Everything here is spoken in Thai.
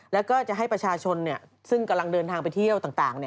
แล้วก็จะให้ประชาชนซึ่งกำลังเดินทางไปเที่ยวต่าง